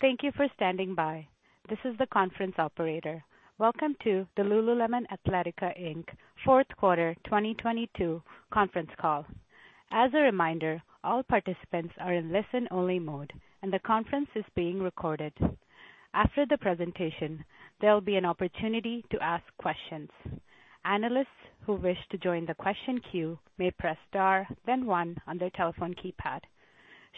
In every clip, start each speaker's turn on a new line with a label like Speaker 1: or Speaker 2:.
Speaker 1: Thank you for standing by. This is the conference operator. Welcome to the Lululemon Athletica Inc. Q4 2022 Conference Call. As a reminder, all participants are in listen-only mode, and the conference is being recorded. After the presentation, there'll be an opportunity to ask questions. Analysts who wish to join the question queue may press star, then one on their telephone keypad.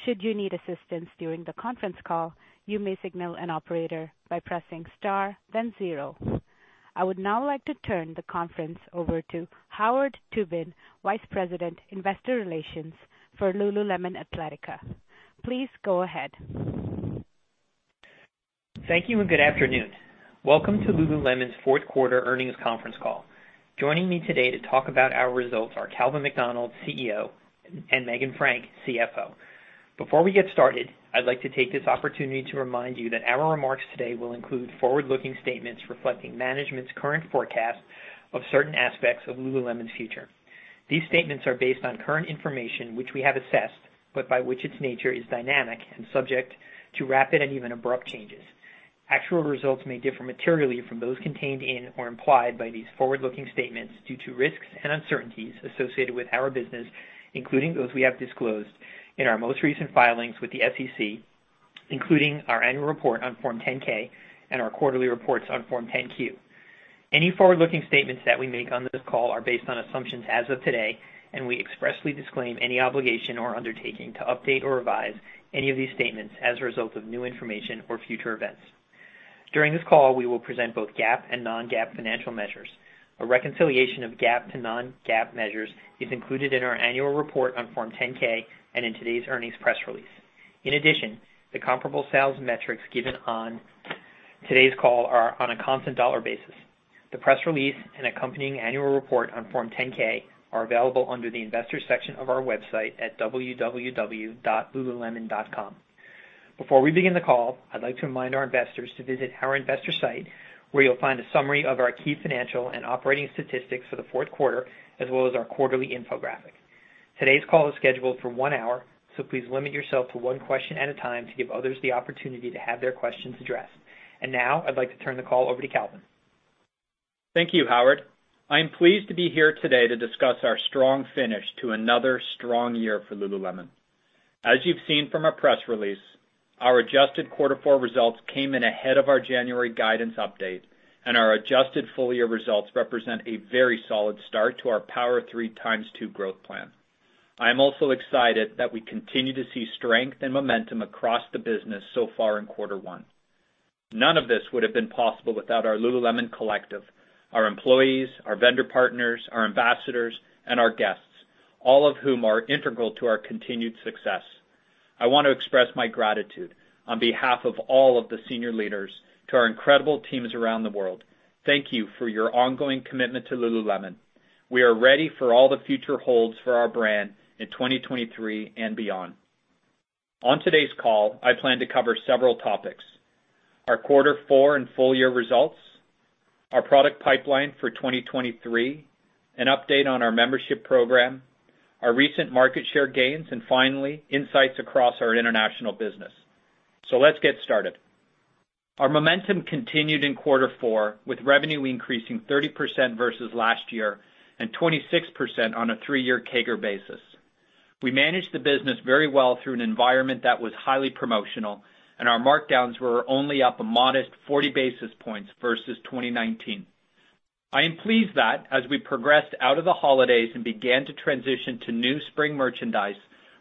Speaker 1: Should you need assistance during the conference call, you may signal an operator by pressing star, then zero. I would now like to turn the conference over to Howard Tubin, Vice President, Investor Relations for Lululemon Athletica Inc. Please go ahead.
Speaker 2: Thank you and good afternoon. Welcome to Lululemon's Q4 Earnings Conference Call. Joining me today to talk about our results are Calvin McDonald, CEO, and Meghan Frank, CFO. Before we get started, I'd like to take this opportunity to remind you that our remarks today will include forward-looking statements reflecting management's current forecast of certain aspects of Lululemon's future. These statements are based on current information, which we have assessed, but by which its nature is dynamic and subject to rapid and even abrupt changes. Actual results may differ materially from those contained in or implied by these forward-looking statements due to risks and uncertainties associated with our business, including those we have disclosed in our most recent filings with the SEC, including our annual report on Form 10-K and our quarterly reports on Form 10-Q. Any forward-looking statements that we make on this call are based on assumptions as of today, and we expressly disclaim any obligation or undertaking to update or revise any of these statements as a result of new information or future events. During this call, we will present both GAAP and non-GAAP financial measures. A reconciliation of GAAP to non-GAAP measures is included in our annual report on Form 10-K and in today's earnings press release. In addition, the comparable sales metrics given on today's call are on a constant dollar basis. The press release and accompanying annual report on Form 10-K are available under the Investors section of our website at www.lululemon.com. Before we begin the call, I'd like to remind our investors to visit our investor site, where you'll find a summary of our key financial and operating statistics for the Q4, as well as our quarterly infographic. Today's call is scheduled for one hour, so please limit yourself to one question at a time to give others the opportunity to have their questions addressed. I'd like to turn the call over to Calvin.
Speaker 3: Thank you, Howard. I am pleased to be here today to discuss our strong finish to another strong year for lululemon. As you've seen from our press release, our adjusted quarter four results came in ahead of our January guidance update, and our adjusted full year results represent a very solid start to our Power of Three ×2 growth plan. I am also excited that we continue to see strength and momentum across the business so far in quarter one. None of this would have been possible without our lululemon collective, our employees, our vendor partners, our ambassadors, and our guests, all of whom are integral to our continued success. I want to express my gratitude on behalf of all of the senior leaders to our incredible teams around the world. Thank you for your ongoing commitment to lululemon. We are ready for all the future holds for our brand in 2023 and beyond. On today's call, I plan to cover several topics: our Q4 and full year results, our product pipeline for 2023, an update on our membership program, our recent market share gains, and finally, insights across our international business. Let's get started. Our momentum continued in Q4, with revenue increasing 30% versus last year and 26% on a three-year CAGR basis. We managed the business very well through an environment that was highly promotional, and our markdowns were only up a modest 40 basis points versus 2019. I am pleased that as we progressed out of the holidays and began to transition to new spring merchandise,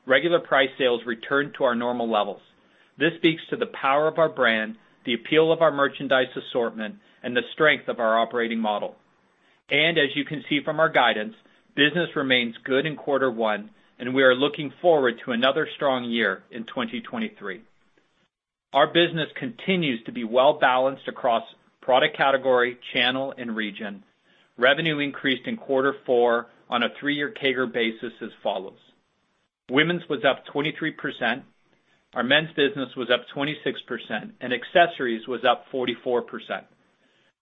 Speaker 3: regular price sales returned to our normal levels. This speaks to the power of our brand, the appeal of our merchandise assortment, and the strength of our operating model. As you can see from our guidance, business remains good in quarter one, and we are looking forward to another strong year in 2023. Our business continues to be well-balanced across product category, channel, and region. Revenue increased in quarter four on a three-year CAGR basis as follows. Women's was up 23%, our men's business was up 26%, and accessories was up 44%.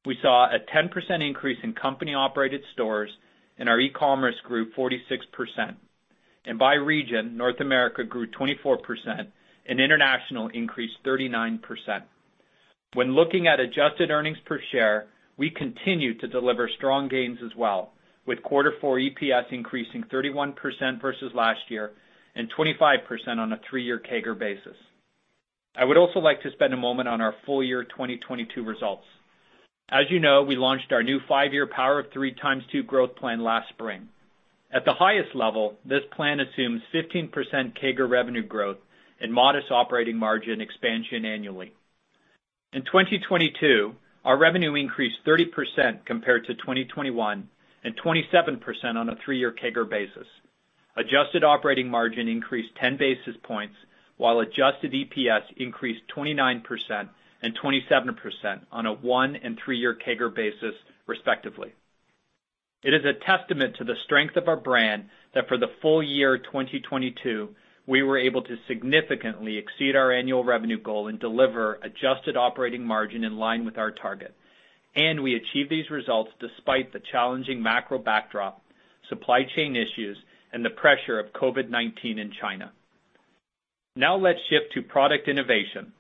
Speaker 3: We saw a 10% increase in company-operated stores, and our e-commerce grew 46%. By region, North America grew 24%, and international increased 39%. When looking at adjusted earnings per share, we continued to deliver strong gains as well, with quarter four EPS increasing 31% versus last year and 25% on a three-year CAGR basis. I would also like to spend a moment on our full year 2022 results. As you know, we launched our new five-year Power of Three ×2 growth plan last spring. At the highest level, this plan assumes 15% CAGR revenue growth and modest operating margin expansion annually. In 2022, our revenue increased 30% compared to 2021 and 27% on a three-year CAGR basis. Adjusted operating margin increased 10 basis points while adjusted EPS increased 29% and 27% on a one and three-year CAGR basis, respectively. It is a testament to the strength of our brand that for the full year 2022, we were able to significantly exceed our annual revenue goal and deliver adjusted operating margin in line with our target. We achieve these results despite the challenging macro backdrop, supply chain issues, and the pressure of COVID-19 in China. Now let's shift to product innovation.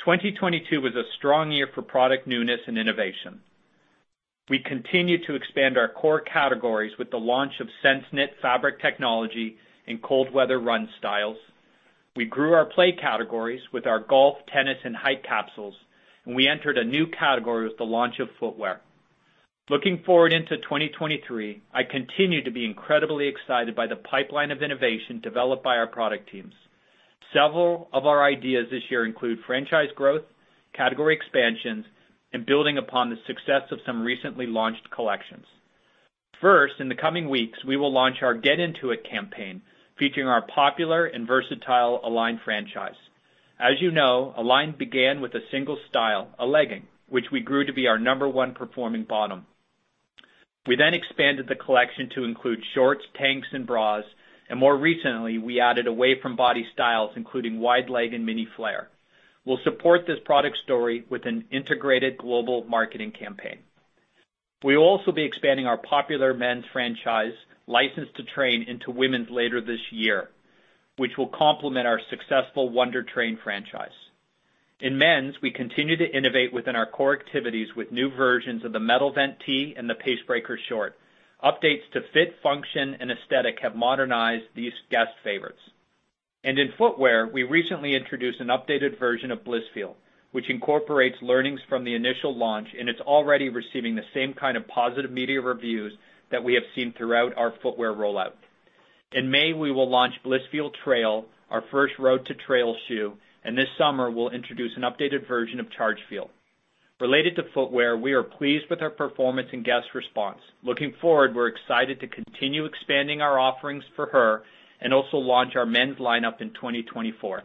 Speaker 3: 2022 was a strong year for product newness and innovation. We continued to expand our core categories with the launch of SenseKnit fabric technology in cold weather run styles. We grew our play categories with our golf, tennis, and hike capsules, and we entered a new category with the launch of footwear. Looking forward into 2023, I continue to be incredibly excited by the pipeline of innovation developed by our product teams. Several of our ideas this year include franchise growth, category expansions, and building upon the success of some recently launched collections. First, in the coming weeks, we will launch our Get Into It campaign, featuring our popular and versatile Align franchise. As you know, Align began with a single style, a legging, which we grew to be our number one performing bottom. We expanded the collection to include shorts, tanks, and bras. More recently, we added away from body styles, including wide leg and mini flare. We'll support this product story with an integrated global marketing campaign. We'll also be expanding our popular men's franchise License to Train into women's later this year, which will complement our successful Wunder Train franchise. In men's, we continue to innovate within our core activities with new versions of the Metal Vent Tee and the Pace Breaker Short. Updates to fit, function, and aesthetic have modernized these guest favorites. In footwear, we recently introduced an updated version of Blissfeel, which incorporates learnings from the initial launch, and it's already receiving the same kind of positive media reviews that we have seen throughout our footwear rollout. In May, we will launch Blissfeel Trail, our first road to trail shoe, and this summer, we'll introduce an updated version of Chargefeel. Related to footwear, we are pleased with our performance and guest response. Looking forward, we're excited to continue expanding our offerings for her and also launch our men's lineup in 2024.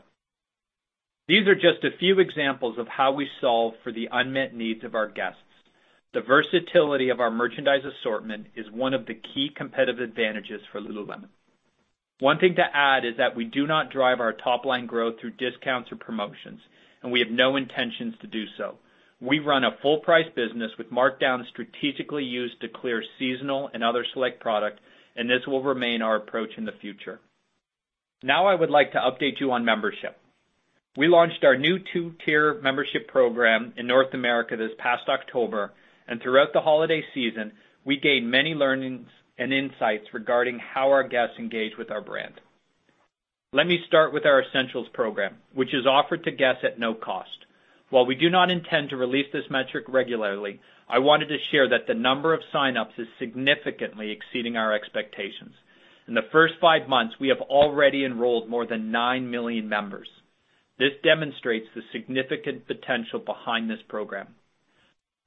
Speaker 3: These are just a few examples of how we solve for the unmet needs of our guests. The versatility of our merchandise assortment is one of the key competitive advantages for lululemon. One thing to add is that we do not drive our top line growth through discounts or promotions, and we have no intentions to do so. We run a full-price business with markdowns strategically used to clear seasonal and other select product, and this will remain our approach in the future. Now I would like to update you on membership. We launched our new two-tier membership program in North America this past October. Throughout the holiday season, we gained many learnings and insights regarding how our guests engage with our brand. Let me start with our Essentials program, which is offered to guests at no cost. While we do not intend to release this metric regularly, I wanted to share that the number of sign-ups is significantly exceeding our expectations. In the first five months, we have already enrolled more than 9 million members. This demonstrates the significant potential behind this program.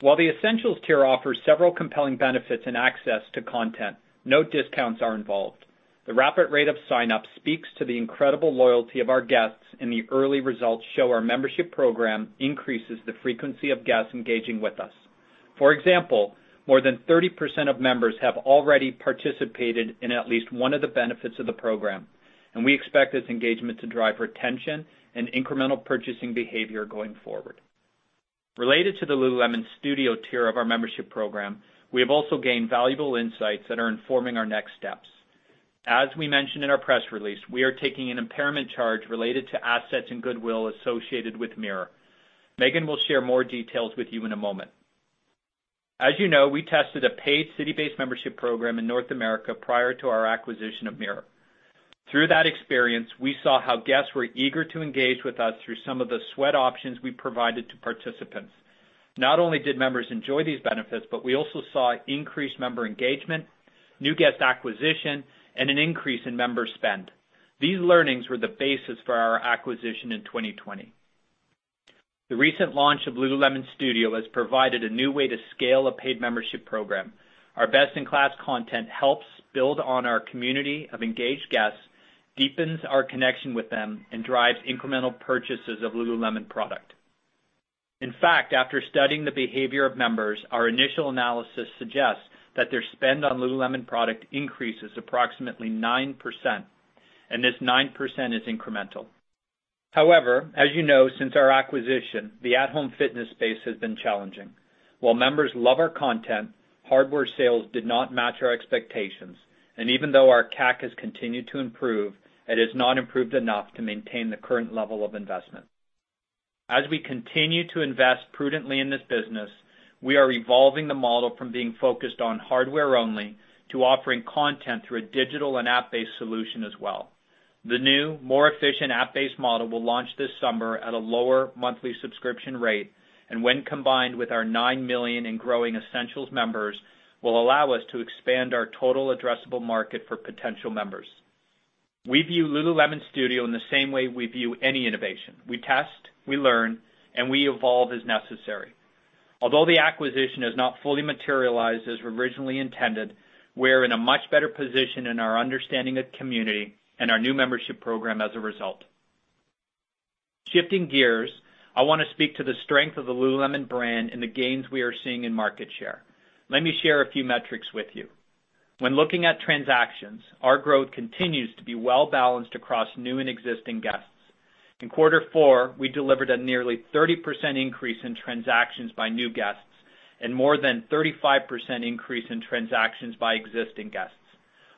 Speaker 3: While the Essentials tier offers several compelling benefits and access to content, no discounts are involved. The rapid rate of sign-up speaks to the incredible loyalty of our guests, and the early results show our membership program increases the frequency of guests engaging with us. For example, more than 30% of members have already participated in at least one of the benefits of the program. We expect this engagement to drive retention and incremental purchasing behavior going forward. Related to the lululemon Studio tier of our membership program, we have also gained valuable insights that are informing our next steps. As we mentioned in our press release, we are taking an impairment charge related to assets and goodwill associated with Mirror. Meghan will share more details with you in a moment. As you know, we tested a paid city-based membership program in North America prior to our acquisition of Mirror. Through that experience, we saw how guests were eager to engage with us through some of the sweat options we provided to participants. Not only did members enjoy these benefits, but we also saw increased member engagement, new guest acquisition, and an increase in member spend. These learnings were the basis for our acquisition in 2020. The recent launch of lululemon Studio has provided a new way to scale a paid membership program. Our best-in-class content helps build on our community of engaged guests, deepens our connection with them, and drives incremental purchases of lululemon product. In fact, after studying the behavior of members, our initial analysis suggests that their spend on lululemon product increases approximately 9%, and this 9% is incremental. As you know, since our acquisition, the at-home fitness space has been challenging. While members love our content, hardware sales did not match our expectations, and even though our CAC has continued to improve, it has not improved enough to maintain the current level of investment. As we continue to invest prudently in this business, we are evolving the model from being focused on hardware only to offering content through a digital and app-based solution as well. The new, more efficient app-based model will launch this summer at a lower monthly subscription rate, and when combined with our nine million and growing Essential members, will allow us to expand our total addressable market for potential members. We view lululemon Studio in the same way we view any innovation. We test, we learn, and we evolve as necessary. Although the acquisition has not fully materialized as originally intended, we're in a much better position in our understanding of community and our new membership program as a result. Shifting gears, I wanna speak to the strength of the lululemon brand and the gains we are seeing in market share. Let me share a few metrics with you. When looking at transactions, our growth continues to be well-balanced across new and existing guests. In quarter four, we delivered a nearly 30% increase in transactions by new guests and more than 35% increase in transactions by existing guests.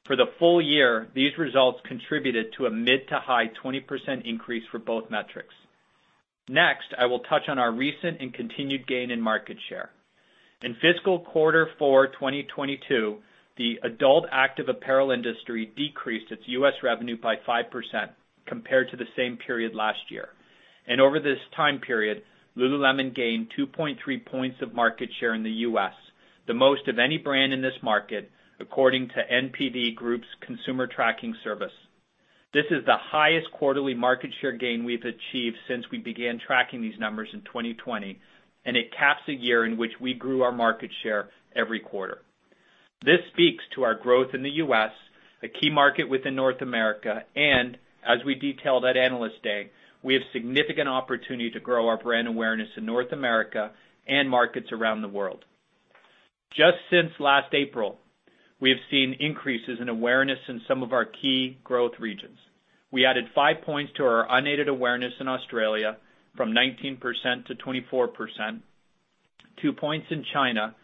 Speaker 3: For the full year, these results contributed to a mid-to-high 20% increase for both metrics. I will touch on our recent and continued gain in market share. In fiscal quarter four 2022, the adult active apparel industry decreased its U.S. revenue by 5% compared to the same period last year. Over this time period, Lululemon gained 2.3 points of market share in the U.S., the most of any brand in this market, according to NPD Group's consumer tracking service. This is the highest quarterly market share gain we've achieved since we began tracking these numbers in 2020. It caps a year in which we grew our market share every quarter. This speaks to our growth in the U.S., a key market within North America. As we detailed at Analyst Day, we have significant opportunity to grow our brand awareness in North America and markets around the world. Just since last April, we have seen increases in awareness in some of our key growth regions. We added five points to our unaided awareness in Australia from 19% to 24%, two points in China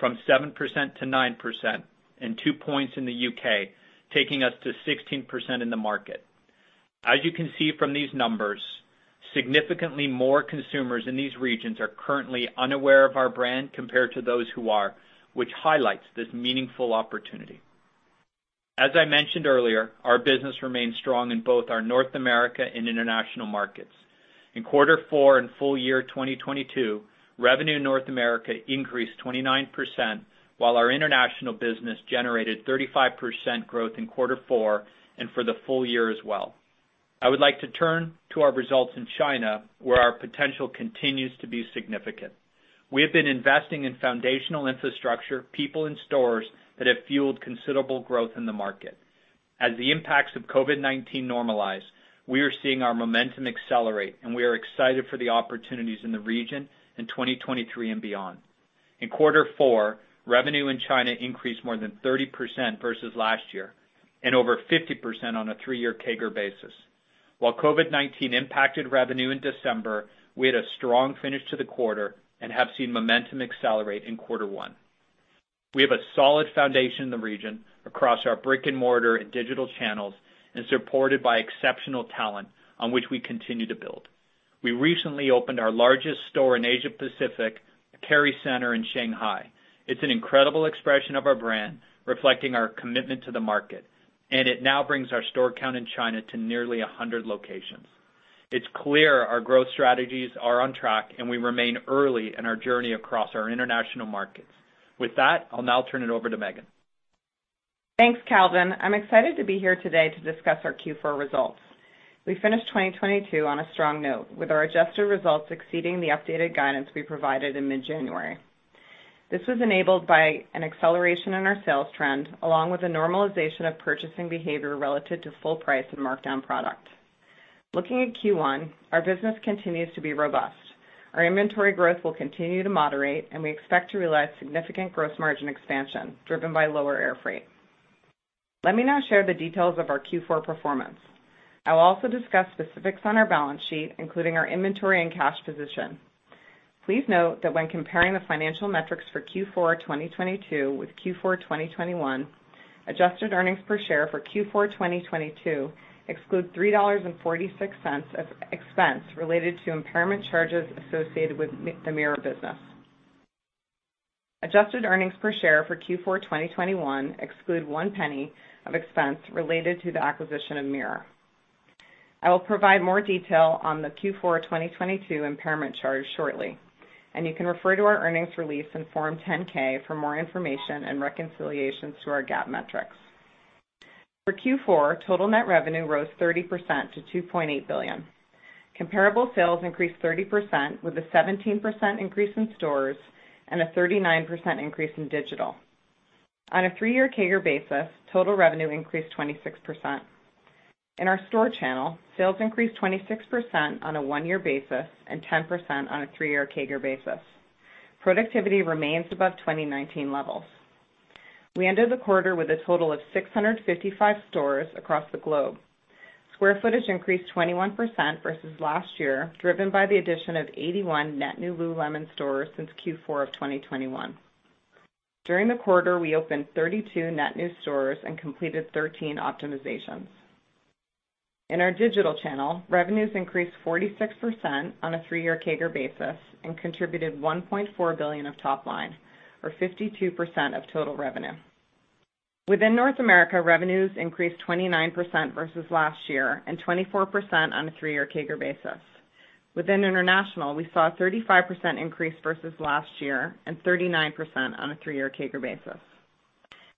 Speaker 3: from 7% to 9%, and two points in the U.K., taking us to 16% in the market. As you can see from these numbers, significantly more consumers in these regions are currently unaware of our brand compared to those who are, which highlights this meaningful opportunity. As I mentioned earlier, our business remains strong in both our North America and international markets. In quarter four and full year 2022, revenue in North America increased 29%, while our international business generated 35% growth in quarter four and for the full year as well. I would like to turn to our results in China, where our potential continues to be significant. We have been investing in foundational infrastructure, people, and stores that have fueled considerable growth in the market. As the impacts of COVID-19 normalize, we are seeing our momentum accelerate, and we are excited for the opportunities in the region in 2023 and beyond. In quarter four, revenue in China increased more than 30% versus last year and over 50% on a three-year CAGR basis. While COVID-19 impacted revenue in December, we had a strong finish to the quarter and have seen momentum accelerate in Q1. We have a solid foundation in the region across our brick-and-mortar and digital channels and supported by exceptional talent on which we continue to build. We recently opened our largest store in Asia Pacific, Kerry Centre in Shanghai. It's an incredible expression of our brand, reflecting our commitment to the market. It now brings our store count in China to nearly 100 locations. It's clear our growth strategies are on track. We remain early in our journey across our international markets. With that, I'll now turn it over to Meghan.
Speaker 4: Thanks, Calvin. I'm excited to be here today to discuss our Q4 results. We finished 2022 on a strong note, with our adjusted results exceeding the updated guidance we provided in mid-January. This was enabled by an acceleration in our sales trend, along with a normalization of purchasing behavior relative to full price and markdown product. Looking at Q1, our business continues to be robust. Our inventory growth will continue to moderate, and we expect to realize significant gross margin expansion driven by lower air freight. Let me now share the details of our Q4 performance. I will also discuss specifics on our balance sheet, including our inventory and cash position. Please note that when comparing the financial metrics for Q4 2022 with Q4 2021, adjusted earnings per share for Q4 2022 exclude $3.46 of expense related to impairment charges associated with the Mirror business. Adjusted earnings per share for Q4 2021 exclude $0.01 of expense related to the acquisition of Mirror. I will provide more detail on the Q4 2022 impairment charge shortly. You can refer to our earnings release in Form 10-K for more information and reconciliations to our GAAP metrics. For Q4, total net revenue rose 30% to $2.8 billion. Comparable sales increased 30% with a 17% increase in stores and a 39% increase in digital. On a three-year CAGR basis, total revenue increased 26%. In our store channel, sales increased 26% on a one-year basis and 10% on a three-year CAGR basis. Productivity remains above 2019 levels. We ended the quarter with a total of 655 stores across the globe. Square footage increased 21% versus last year, driven by the addition of 81 net new Lululemon stores since Q4 of 2021. During the quarter, we opened 32 net new stores and completed 13 optimizations. In our digital channel, revenues increased 46% on a three-year CAGR basis and contributed $1.4 billion of top line, or 52% of total revenue. Within North America, revenues increased 29% versus last year and 24% on a three-year CAGR basis. Within international, we saw a 35% increase versus last year and 39% on a three-year CAGR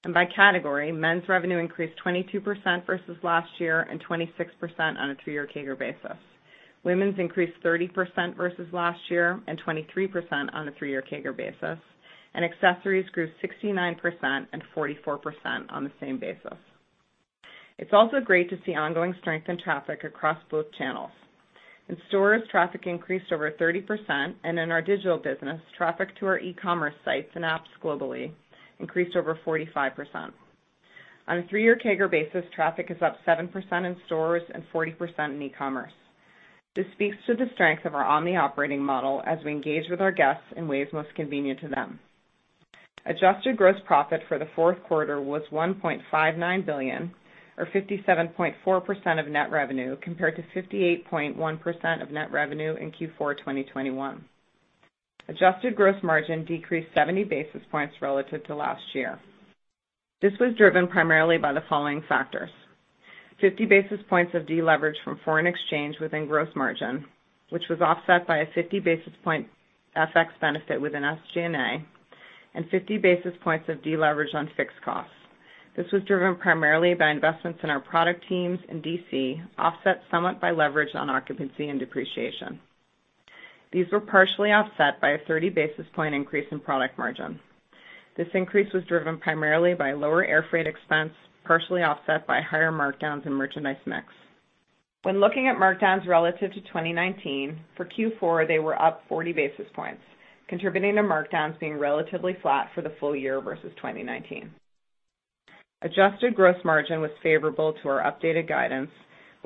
Speaker 4: basis. By category, men's revenue increased 22% versus last year and 26% on a two-year CAGR basis. Women's increased 30% versus last year and 23% on a three-year CAGR basis. Accessories grew 69% and 44% on the same basis. It's also great to see ongoing strength in traffic across both channels. In stores, traffic increased over 30%, and in our digital business, traffic to our e-commerce sites and apps globally increased over 45%. On a three-year CAGR basis, traffic is up 7% in stores and 40% in e-commerce. This speaks to the strength of our omni operating model as we engage with our guests in ways most convenient to them. Adjusted gross profit for the Q4 was $1.59 billion or 57.4% of net revenue compared to 58.1% of net revenue in Q4 2021. Adjusted gross margin decreased 70 basis points relative to last year. This was driven primarily by the following factors. 50 basis points of deleverage from foreign exchange within gross margin, which was offset by a 50 basis point FX benefit within SG&A and 50 basis points of deleverage on fixed costs. This was driven primarily by investments in our product teams in DC, offset somewhat by leverage on occupancy and depreciation. These were partially offset by a 30 basis point increase in product margin. This increase was driven primarily by lower airfreight expense, partially offset by higher markdowns in merchandise mix. When looking at markdowns relative to 2019, for Q4, they were up 40 basis points, contributing to markdowns being relatively flat for the full year versus 2019. Adjusted gross margin was favorable to our updated guidance,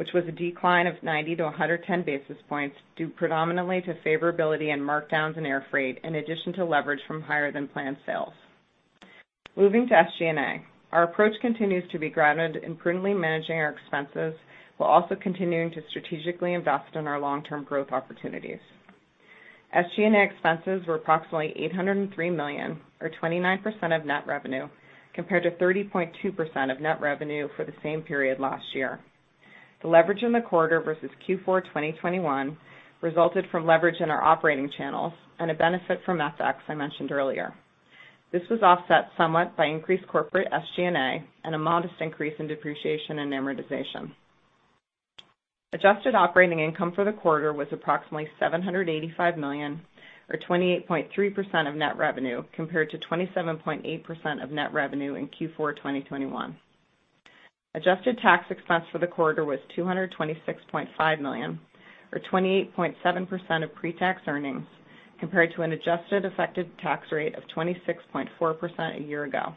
Speaker 4: which was a decline of 90-110 basis points due predominantly to favorability in markdowns in air freight, in addition to leverage from higher than planned sales. Moving to SG&A. Our approach continues to be grounded in prudently managing our expenses while also continuing to strategically invest in our long-term growth opportunities. SG&A expenses were approximately $803 million or 29% of net revenue, compared to 30.2% of net revenue for the same period last year. The leverage in the quarter versus Q4 2021 resulted from leverage in our operating channels and a benefit from FX I mentioned earlier. This was offset somewhat by increased corporate SG&A and a modest increase in depreciation and amortization. Adjusted operating income for the quarter was approximately $785 million or 28.3% of net revenue compared to 27.8% of net revenue in Q4 2021. Adjusted tax expense for the quarter was $226.5 million or 28.7% of pre-tax earnings compared to an adjusted effective tax rate of 26.4% a year ago.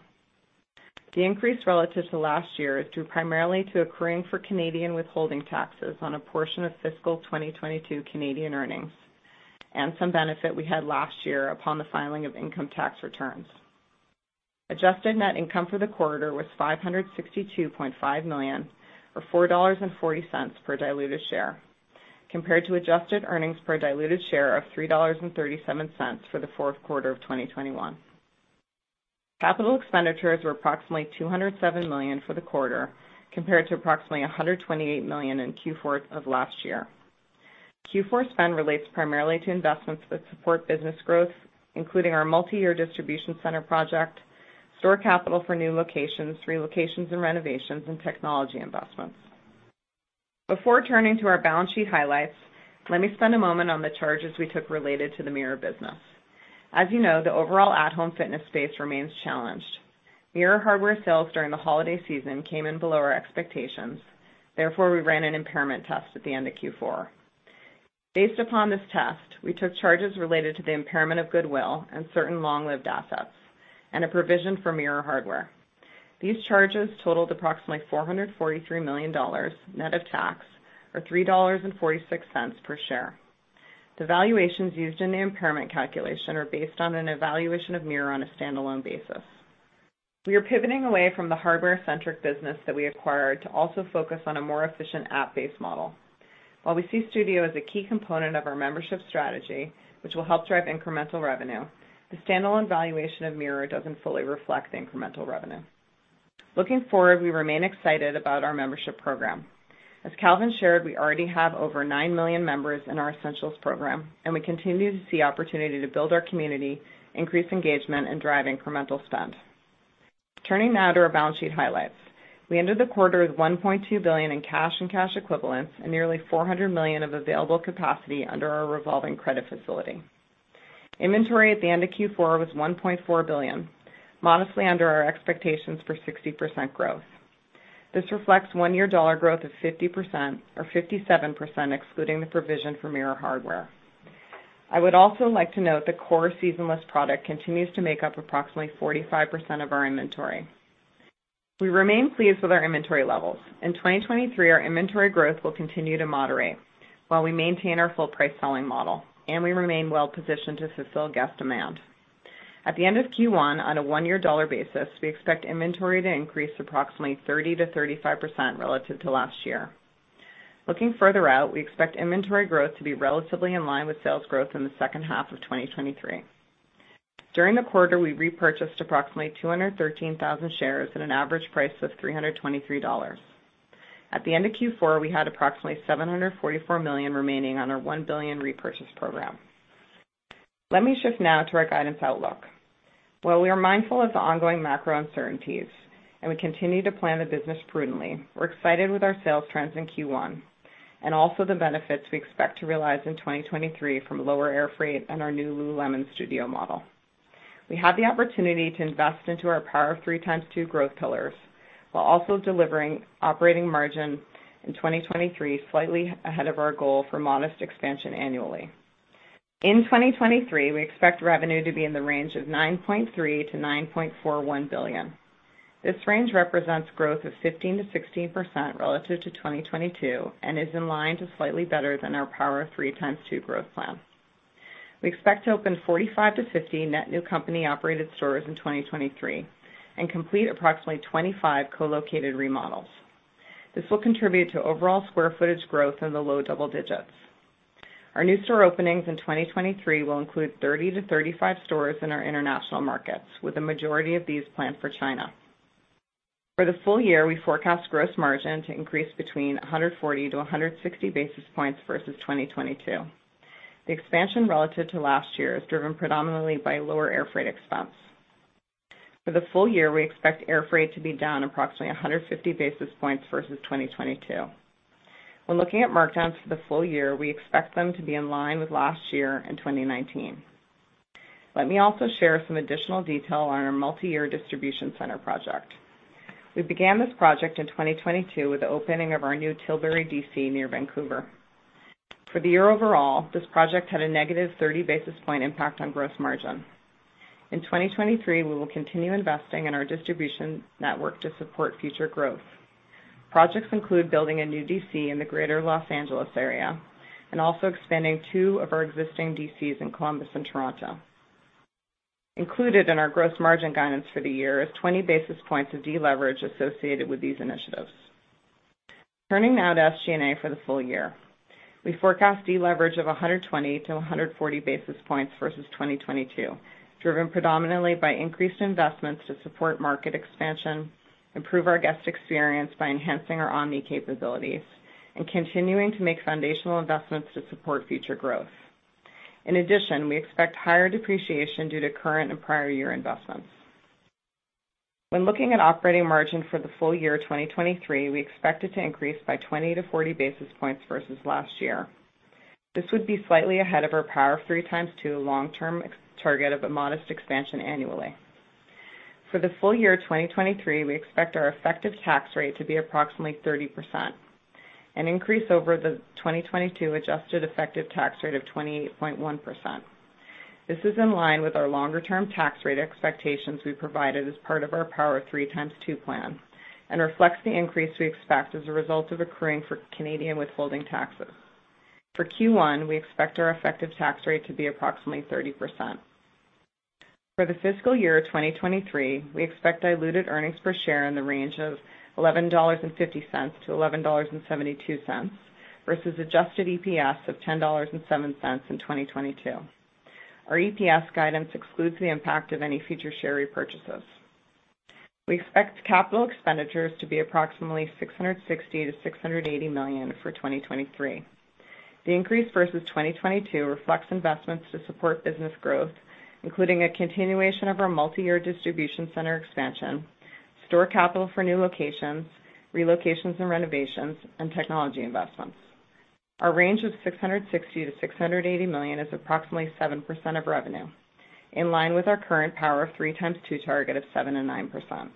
Speaker 4: The increase relative to last year is due primarily to accruing for Canadian withholding taxes on a portion of fiscal 2022 Canadian earnings and some benefit we had last year upon the filing of income tax returns. Adjusted net income for the quarter was $562.5 million or $4.40 per diluted share compared to adjusted earnings per diluted share of $3.37 for the Q4 of 2021. Capital expenditures were approximately $207 million for the quarter compared to approximately $128 million in Q4 of last year. Q4 spend relates primarily to investments that support business growth, including our multi-year distribution center project, store capital for new locations, relocations and renovations, and technology investments. Before turning to our balance sheet highlights, let me spend a moment on the charges we took related to the Mirror business. As you know, the overall at-home fitness space remains challenged. Mirror hardware sales during the holiday season came in below our expectations. Therefore, we ran an impairment test at the end of Q4. Based upon this test, we took charges related to the impairment of goodwill and certain long-lived assets and a provision for Mirror hardware. These charges totaled approximately $443 million net of tax or $3.46 per share. The valuations used in the impairment calculation are based on an evaluation of Mirror on a standalone basis. We are pivoting away from the hardware-centric business that we acquired to also focus on a more efficient app-based model. While we see Studio as a key component of our membership strategy, which will help drive incremental revenue, the standalone valuation of Mirror doesn't fully reflect the incremental revenue. Looking forward, we remain excited about our membership program. As Calvin shared, we already have over 9 million members in our Essentials program, and we continue to see opportunity to build our community, increase engagement, and drive incremental spend. Turning now to our balance sheet highlights. We ended the quarter with $1.2 billion in cash and cash equivalents and nearly $400 million of available capacity under our revolving credit facility. Inventory at the end of Q4 was $1.4 billion, modestly under our expectations for 60% growth. This reflects one-year dollar growth of 50% or 57% excluding the provision for Mirror hardware. I would also like to note that core seasonless product continues to make up approximately 45% of our inventory. We remain pleased with our inventory levels. In 2023, our inventory growth will continue to moderate while we maintain our full price selling model. We remain well positioned to fulfill guest demand. At the end of Q1, on a one-year dollar basis, we expect inventory to increase approximately 30%-35% relative to last year. Looking further out, we expect inventory growth to be relatively in line with sales growth in the second half of 2023. During the quarter, we repurchased approximately 213,000 shares at an average price of $323. At the end of Q4, we had approximately $744 million remaining on our $1 billion repurchase program. Let me shift now to our guidance outlook. We are mindful of the ongoing macro uncertainties and we continue to plan the business prudently, we're excited with our sales trends in Q1 and also the benefits we expect to realize in 2023 from lower airfreight and our new lululemon Studio model. We have the opportunity to invest into our Power of Three ×2 growth pillars while also delivering operating margin in 2023 slightly ahead of our goal for modest expansion annually. In 2023, we expect revenue to be in the range of $9.3-$9.41 billion. This range represents growth of 15%-16% relative to 2022 and is in line to slightly better than our Power of Three Times Two growth plan. We expect to open 45-50 net new company-operated stores in 2023 and complete approximately 25 co-located remodels. This will contribute to overall square footage growth in the low double digits. Our new store openings in 2023 will include 30-35 stores in our international markets, with the majority of these planned for China. For the full year, we forecast gross margin to increase between 140-160 basis points versus 2022. The expansion relative to last year is driven predominantly by lower air freight expense. For the full year, we expect air freight to be down approximately 150 basis points versus 2022. When looking at markdowns for the full year, we expect them to be in line with last year and 2019. Let me also share some additional detail on our multi-year distribution center project. We began this project in 2022 with the opening of our new Tilbury DC near Vancouver. For the year overall, this project had a negative 30 basis point impact on gross margin. In 2023, we will continue investing in our distribution network to support future growth. Projects include building a new DC in the Greater L.A. area and also expanding two of our existing DCs in Columbus and Toronto. Included in our gross margin guidance for the year is 20 basis points of deleverage associated with these initiatives. Turning now to SG&A for the full year. We forecast deleverage of 120-140 basis points versus 2022, driven predominantly by increased investments to support market expansion, improve our guest experience by enhancing our omni capabilities, and continuing to make foundational investments to support future growth. In addition, we expect higher depreciation due to current and prior year investments. When looking at operating margin for the full year 2023, we expect it to increase by 20-40 basis points versus last year. This would be slightly ahead of our Power of Three ×2 long-term target of a modest expansion annually. For the full year 2023, we expect our effective tax rate to be approximately 30%, an increase over the 2022 adjusted effective tax rate of 28.1%. This is in line with our longer-term tax rate expectations we provided as part of our Power of Three ×2 plan and reflects the increase we expect as a result of accruing for Canadian withholding taxes. For Q1, we expect our effective tax rate to be approximately 30%. For the fiscal year 2023, we expect diluted earnings per share in the range of $11.50-$11.72 versus adjusted EPS of $10.07 in 2022. Our EPS guidance excludes the impact of any future share repurchases. We expect capital expenditures to be approximately $660-$680 million for 2023. The increase versus 2022 reflects investments to support business growth, including a continuation of our multi-year distribution center expansion, store capital for new locations, relocations and renovations, and technology investments. Our range of $660 million-$680 million is approximately 7% of revenue, in line with our current Power of Three ×2 target of 7% and 9%.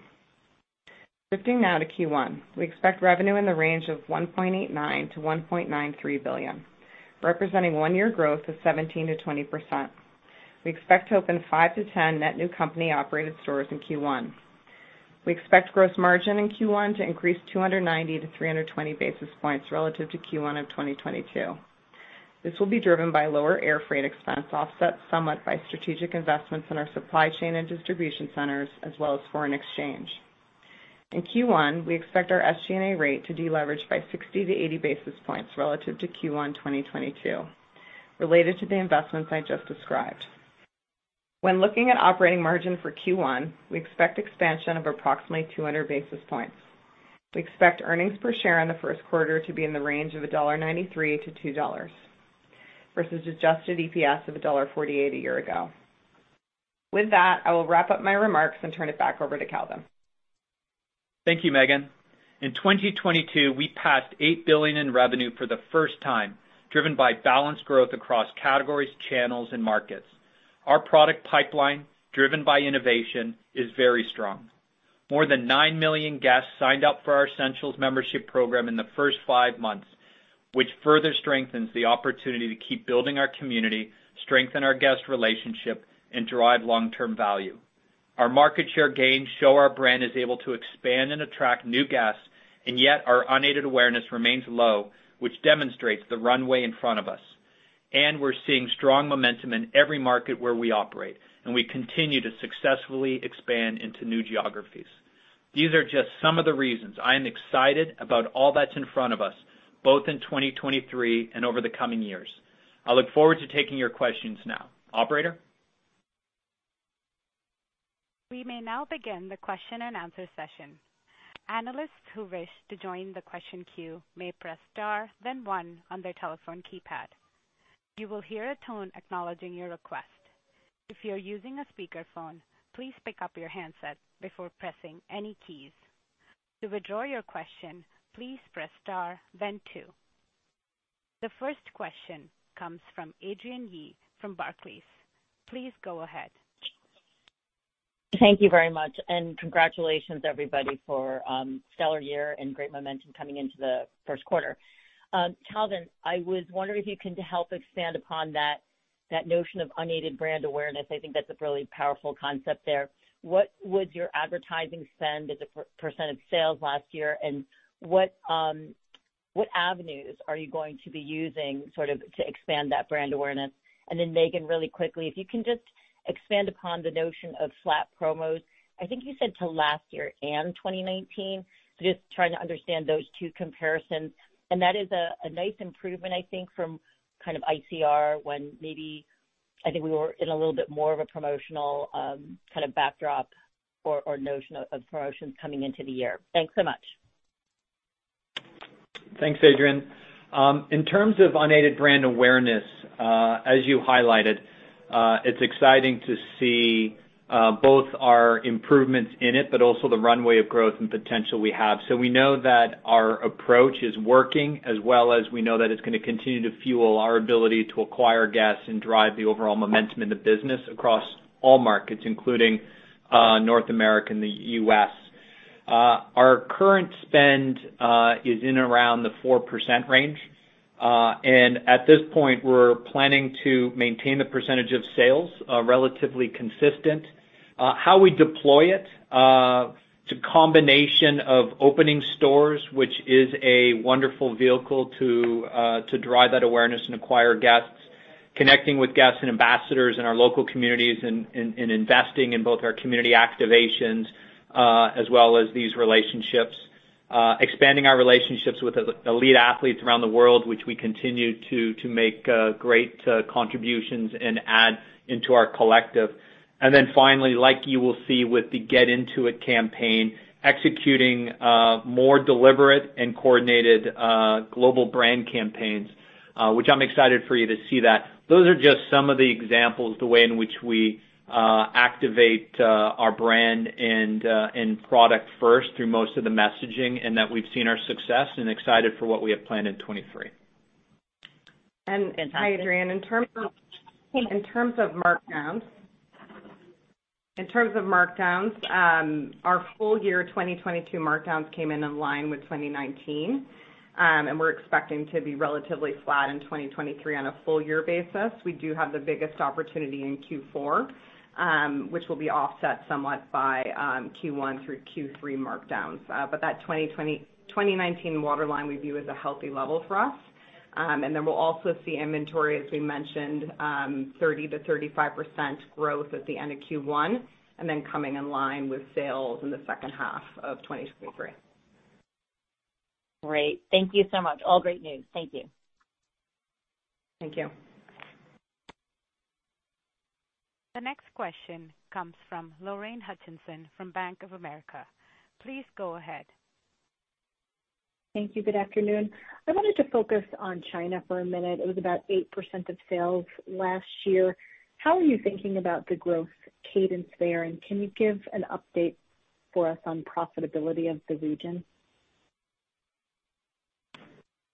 Speaker 4: Shifting now to Q1. We expect revenue in the range of $1.89-$1.93 billion, representing one year growth of 17%-20%. We expect to open 5-10 net new company-operated stores in Q1. We expect gross margin in Q1 to increase 290-320 basis points relative to Q1 of 2022. This will be driven by lower air freight expense, offset somewhat by strategic investments in our supply chain and distribution centers as well as foreign exchange. In Q1, we expect our SG&A rate to deleverage by 60-80 basis points relative to Q1 2022 related to the investments I just described. When looking at operating margin for Q1, we expect expansion of approximately 200 basis points. We expect earnings per share in the Q1 to be in the range of $1.93 to $2.00 versus adjusted EPS of $1.48 a year ago. With that, I will wrap up my remarks and turn it back over to Calvin.
Speaker 3: Thank you, Meghan. In 2022, we passed $8 billion in revenue for the first time, driven by balanced growth across categories, channels, and markets. Our product pipeline, driven by innovation, is very strong. More than 9 million guests signed up for our lululemon Essential Membership program in the first five months, which further strengthens the opportunity to keep building our community, strengthen our guest relationship, and derive long-term value. Yet our market share gains show our brand is able to expand and attract new guests, and our unaided awareness remains low, which demonstrates the runway in front of us. We're seeing strong momentum in every market where we operate, and we continue to successfully expand into new geographies. These are just some of the reasons I am excited about all that's in front of us, both in 2023 and over the coming years. I look forward to taking your questions now. Operator?
Speaker 1: We may now begin the question and answer session. Analysts who wish to join the question queue may press star then one on their telephone keypad. You will hear a tone acknowledging your request. If you're using a speakerphone, please pick up your handset before pressing any keys. To withdraw your question, please press star then two. The first question comes from Adrienne Yih from Barclays. Please go ahead.
Speaker 5: Thank you very much. Congratulations everybody for stellar year and great momentum coming into the Q1. Calvin, I was wondering if you can help expand upon that notion of unaided brand awareness. I think that's a really powerful concept there. What was your advertising spend as a percent of sales last year? What avenues are you going to be using sort of to expand that brand awareness? Meghan, really quickly, if you can just expand upon the notion of flat promos. I think you said to last year and 2019, just trying to understand those two comparisons. That is a nice improvement, I think, from kind of ICR when maybe I think we were in a little bit more of a promotional kind of backdrop or notion of promotions coming into the year. Thanks so much.
Speaker 3: Thanks, Adrienne. In terms of unaided brand awareness, as you highlighted, it's exciting to see both our improvements in it, but also the runway of growth and potential we have. We know that our approach is working as well as we know that it's gonna continue to fuel our ability to acquire guests and drive the overall momentum in the business across all markets, including North America and the U.S. Our current spend is in around the 4% range. At this point, we're planning to maintain the percentage of sales relatively consistent. How we deploy it, to combination of opening stores, which is a wonderful vehicle to drive that awareness and acquire guests, connecting with guests and ambassadors in our local communities and investing in both our community activations, as well as these relationships, expanding our relationships with elite athletes around the world, which we continue to make great contributions and add into our collective. Finally, like you will see with the Get Into It campaign, executing more deliberate and coordinated global brand campaigns, which I'm excited for you to see that. Those are just some of the examples, the way in which we activate our brand and product first through most of the messaging, and that we've seen our success and excited for what we have planned in 2023.
Speaker 5: Fantastic.
Speaker 4: Hi, Adrienne. In terms of markdowns, our full year 2022 markdowns came in in line with 2019. We're expecting to be relatively flat in 2023 on a full year basis. We do have the biggest opportunity in Q4, which will be offset somewhat by Q1 through Q3 markdowns. That 2019 waterline we view as a healthy level for us. Then we'll also see inventory, as we mentioned, 30%-35% growth at the end of Q1, and then coming in line with sales in the second half of 2023.
Speaker 5: Great. Thank you so much. All great news. Thank you.
Speaker 4: Thank you.
Speaker 1: The next question comes from Lorraine Hutchinson from Bank of America. Please go ahead.
Speaker 6: Thank you. Good afternoon. I wanted to focus on China for a minute. It was about 8% of sales last year. How are you thinking about the growth cadence there? Can you give an update for us on profitability of the region?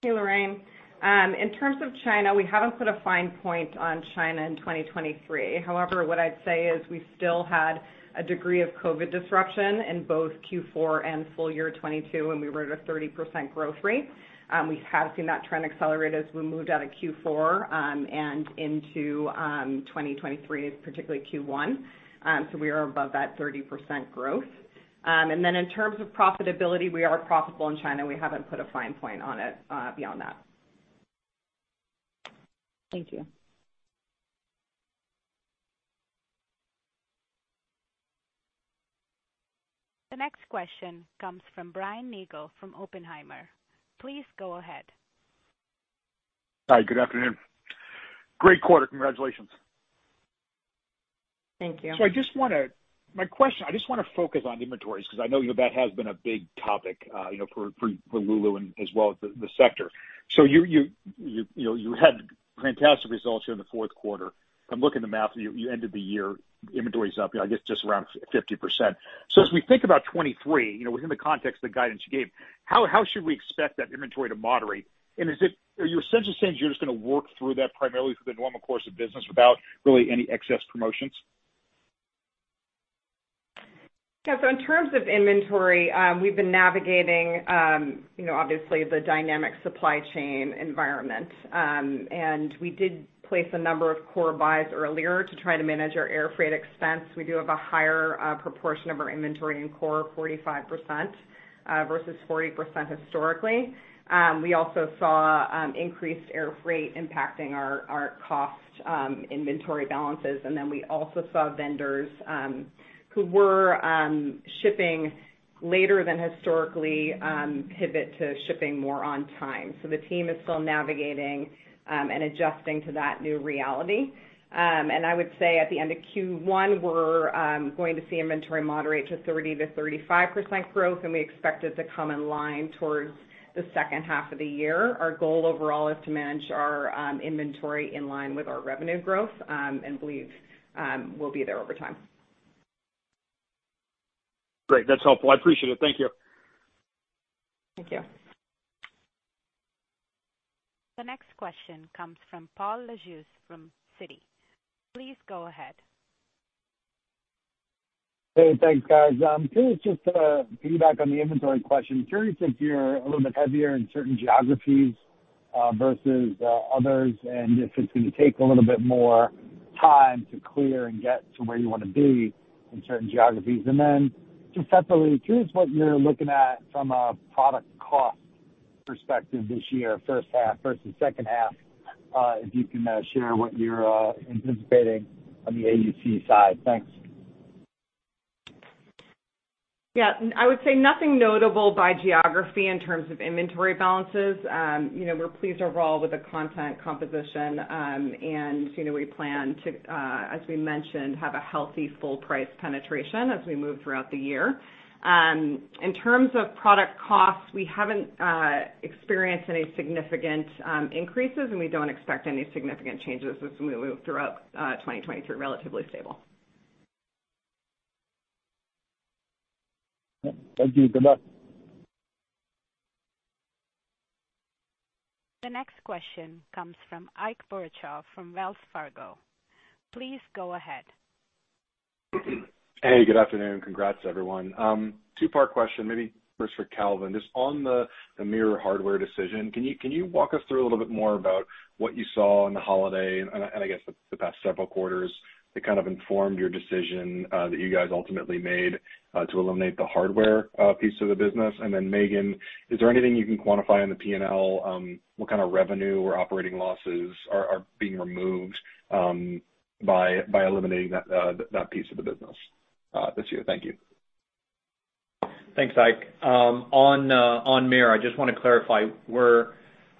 Speaker 4: Hey, Lorraine. In terms of China, we haven't put a fine point on China in 2023. What I'd say is we still had a degree of COVID disruption in both Q4 and full year 2022 when we were at a 30% growth rate. We have seen that trend accelerate as we moved out of Q4 and into 2023, particularly Q1. We are above that 30% growth. And then in terms of profitability, we are profitable in China. We haven't put a fine point on it beyond that.
Speaker 6: Thank you.
Speaker 1: The next question comes from Brian Nagel from Oppenheimer. Please go ahead.
Speaker 7: Hi, good afternoon. Great quarter. Congratulations.
Speaker 4: Thank you.
Speaker 7: I just wanna focus on inventories because I know that has been a big topic, you know, for Lulu and as well as the sector. You know, you had fantastic results here in the Q4. I'm looking at the math. You ended the year, inventory is up, you know, I guess just around 50%. As we think about 2023, you know, within the context of the guidance you gave, how should we expect that inventory to moderate? Are you essentially saying you're just gonna work through that primarily through the normal course of business without really any excess promotions?
Speaker 4: Yeah. In terms of inventory, we've been navigating, you know, obviously the dynamic supply chain environment. We did place a number of core buys earlier to try to manage our air freight expense. We do have a higher proportion of our inventory in core 45% versus 40% historically. We also saw increased air freight impacting our cost inventory balances. We also saw vendors who were shipping later than historically pivot to shipping more on time. The team is still navigating and adjusting to that new reality. I would say at the end of Q1, we're going to see inventory moderate to 30%-35% growth, and we expect it to come in line towards the second half of the year. Our goal overall is to manage our inventory in line with our revenue growth, and believe, we'll be there over time.
Speaker 7: Great. That's helpful. I appreciate it. Thank you.
Speaker 4: Thank you.
Speaker 1: The next question comes from Paul Lejuez from Citi. Please go ahead.
Speaker 8: Hey, thanks, guys. This is just a feedback on the inventory question. Curious if you're a little bit heavier in certain geographies versus others, and if it's gonna take a little bit more time to clear and get to where you wanna be in certain geographies? Just separately, curious what you're looking at from a product cost perspective this year, first half versus second half, if you can share what you're anticipating on the AUC side. Thanks?
Speaker 4: I would say nothing notable by geography in terms of inventory balances. You know, we're pleased overall with the content composition, and, you know, we plan to, as we mentioned, have a healthy full price penetration as we move throughout the year. In terms of product costs, we haven't experienced any significant increases, and we don't expect any significant changes as we move throughout 2023, relatively stable.
Speaker 8: Thank you. Good luck.
Speaker 1: The next question comes from Ike Boruchow from Wells Fargo. Please go ahead.
Speaker 9: Hey, good afternoon. Congrats, everyone. Two-part question, maybe first for Calvin. Just on the Mirror hardware decision, can you walk us through a little bit more about what you saw in the holiday and I guess the past several quarters that kind of informed your decision that you guys ultimately made to eliminate the hardware piece of the business? And then Meghan, is there anything you can quantify on the P&L, what kind of revenue or operating losses are being removed by eliminating that piece of the business this year? Thank you.
Speaker 3: Thanks, Ike. On Mirror, I just wanna clarify, we're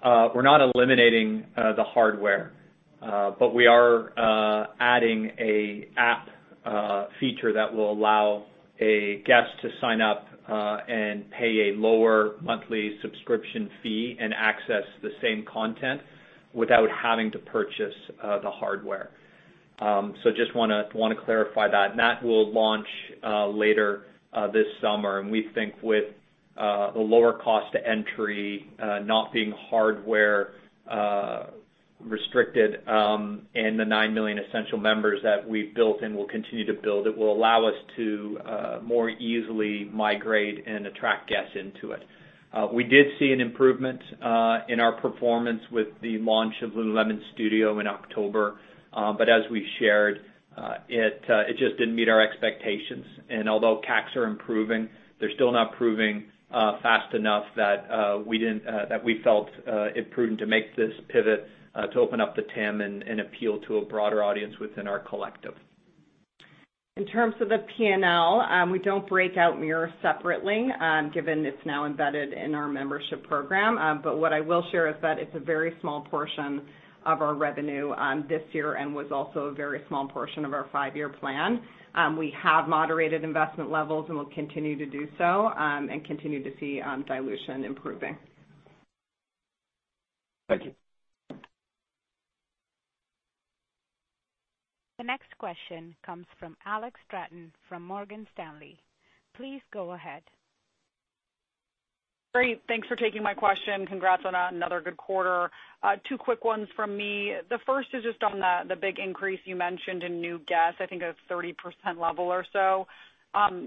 Speaker 3: not eliminating the hardware. We are adding a app feature that will allow a guest to sign up and pay a lower monthly subscription fee and access the same content without having to purchase the hardware. Just wanna clarify that. That will launch later this summer. We think with the lower cost to entry, not being hardware restricted, and the 9 million Essential Members that we've built and will continue to build, it will allow us to more easily migrate and attract guests into it. We did see an improvement in our performance with the launch of lululemon Studio in October. As we shared, it just didn't meet our expectations. Although CACs are improving, they're still not proving fast enough that we felt it prudent to make this pivot to open up the TAM and appeal to a broader audience within our collective.
Speaker 4: In terms of the P&L, we don't break out Mirror separately, given it's now embedded in our membership program. What I will share is that it's a very small portion of our revenue, this year and was also a very small portion of our five-year plan. We have moderated investment levels, and we'll continue to do so, and continue to see dilution improving.
Speaker 9: Thank you.
Speaker 1: The next question comes from Alex Straton from Morgan Stanley. Please go ahead.
Speaker 10: Great. Thanks for taking my question. Congrats on another good quarter. Two quick ones from me. The first is just on the big increase you mentioned in new guests, I think a 30% level or so.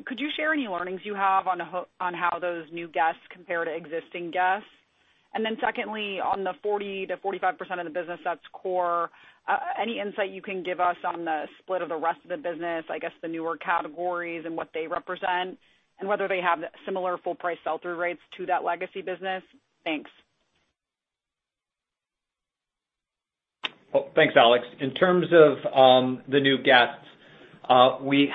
Speaker 10: Could you share any learnings you have on how those new guests compare to existing guests? Secondly, on the 40%-45% of the business that's core, any insight you can give us on the split of the rest of the business, I guess, the newer categories and what they represent, and whether they have similar full price sell-through rates to that legacy business? Thanks.
Speaker 3: Well, thanks, Alex. In terms of the new guests, one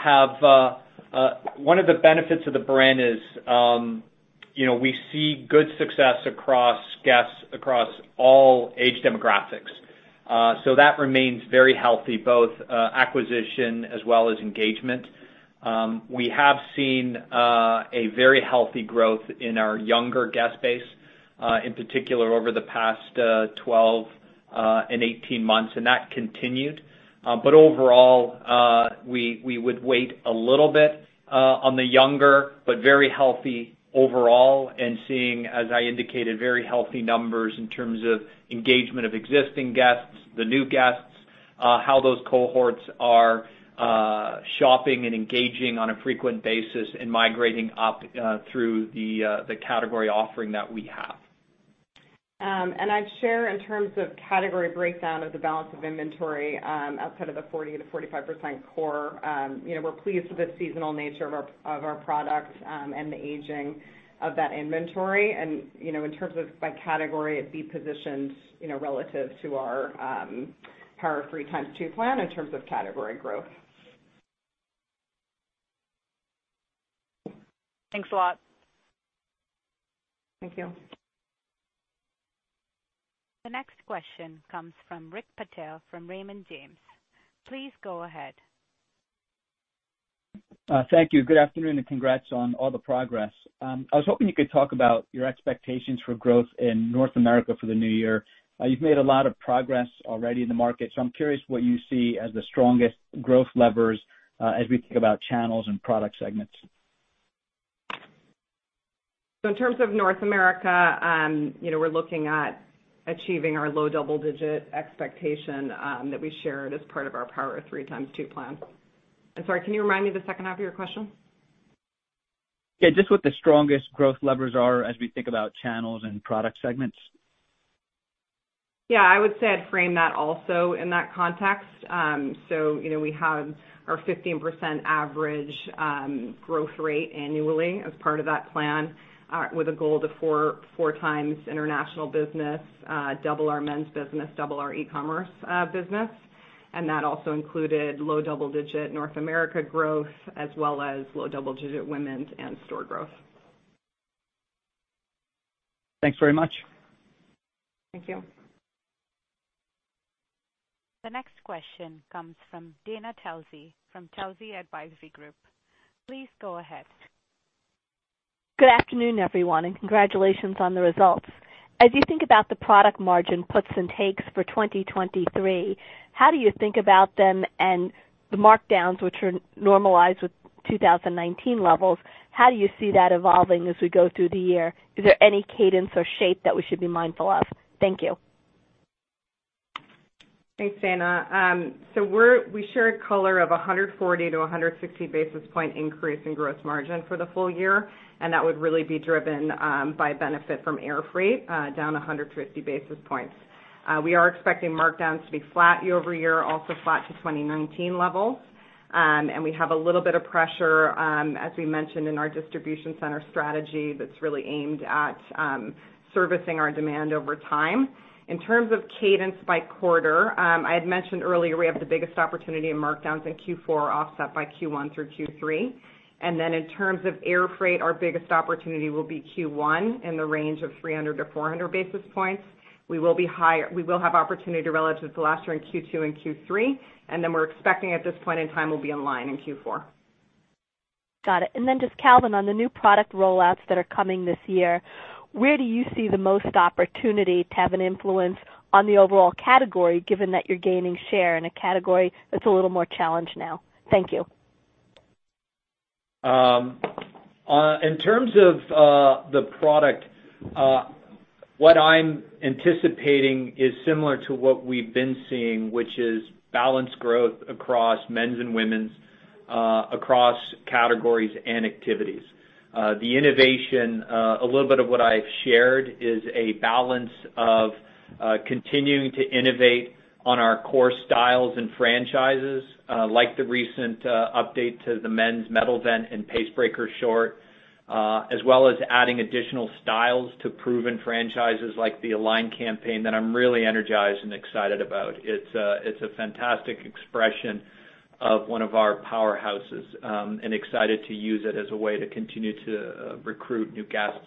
Speaker 3: of the benefits of the brand is, you know, we see good success across guests across all age demographics. That remains very healthy, both acquisition as well as engagement. We have seen a very healthy growth in our younger guest base in particular over the past 12 and 18 months, and that continued. Overall, we would wait a little bit on the younger but very healthy overall and seeing, as I indicated, very healthy numbers in terms of engagement of existing guests, the new guests, how those cohorts are shopping and engaging on a frequent basis and migrating up through the category offering that we have.
Speaker 4: I'd share in terms of category breakdown of the balance of inventory, outside of the 40%-45% core. you know, we're pleased with the seasonal nature of our product, and the aging of that inventory. you know, in terms of by category, it'd be positioned, you know, relative to our Power of Three ×2 plan in terms of category growth.
Speaker 10: Thanks a lot.
Speaker 4: Thank you.
Speaker 1: The next question comes from Rick Patel from Raymond James. Please go ahead.
Speaker 11: Thank you. Good afternoon, and congrats on all the progress. I was hoping you could talk about your expectations for growth in North America for the new year. You've made a lot of progress already in the market, so I'm curious what you see as the strongest growth levers, as we think about channels and product segments.
Speaker 4: In terms of North America, you know, we're looking at achieving our low double-digit expectation, that we shared as part of our Power of Three ×2 plan. I'm sorry, can you remind me the second half of your question?
Speaker 11: Yeah, just what the strongest growth levers are as we think about channels and product segments.
Speaker 4: Yeah, I would say I'd frame that also in that context. So, you know, we have our 15% average growth rate annually as part of that plan, with a goal to 4x international business, double our men's business, double our e-commerce business. That also included low double-digit North America growth, as well as low double-digit women's and store growth.
Speaker 11: Thanks very much.
Speaker 4: Thank you.
Speaker 1: The next question comes from Dana Telsey from Telsey Advisory Group. Please go ahead.
Speaker 12: Good afternoon, everyone, and congratulations on the results. As you think about the product margin puts and takes for 2023, how do you think about them and the markdowns, which are normalized with 2019 levels, how do you see that evolving as we go through the year? Is there any cadence or shape that we should be mindful of? Thank you.
Speaker 4: Thanks, Dana. We shared color of 140-160 basis points increase in gross margin for the full year, and that would really be driven by benefit from air freight, down 150 basis points. We are expecting markdowns to be flat year-over-year, also flat to 2019 levels. We have a little bit of pressure, as we mentioned in our distribution center strategy that's really aimed at servicing our demand over time. In terms of cadence by quarter, I had mentioned earlier we have the biggest opportunity in markdowns in Q4 offset by Q1 through Q3. In terms of air freight, our biggest opportunity will be Q1 in the range of 300-400 basis points. We will have opportunity relative to last year in Q2 and Q3, and then we're expecting at this point in time will be in line in Q4.
Speaker 12: Got it. Just Calvin, on the new product rollouts that are coming this year, where do you see the most opportunity to have an influence on the overall category, given that you're gaining share in a category that's a little more challenged now? Thank you.
Speaker 3: In terms of the product, what I'm anticipating is similar to what we've been seeing, which is balanced growth across men's and women's, across categories and activities. The innovation, a little bit of what I've shared is a balance of continuing to innovate on our core styles and franchises, like the recent update to the men's Metal Vent and Pace Breaker Short, as well as adding additional styles to proven franchises like the Align campaign that I'm really energized and excited about. It's a fantastic expression of one of our powerhouses, and excited to use it as a way to continue to recruit new guests.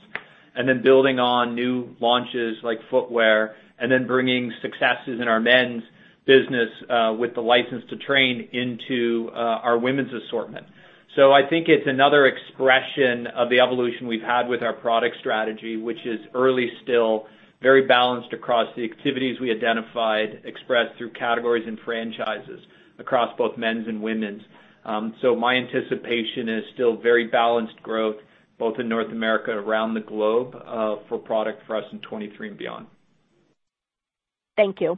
Speaker 3: Building on new launches like footwear and then bringing successes in our men's business with the License to Train into our women's assortment. I think it's another expression of the evolution we've had with our product strategy, which is early still, very balanced across the activities we identified, expressed through categories and franchises across both men's and women's. My anticipation is still very balanced growth, both in North America and around the globe, for product for us in 23 and beyond.
Speaker 12: Thank you.